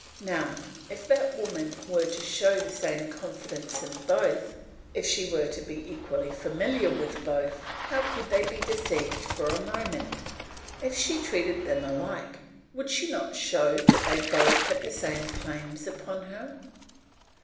Now if that woman were to show the same confidence in both, if she were to be equally familiar with both, how could they be deceived for a moment? If she treated them alike, would she not show that they both had the same claims upon her?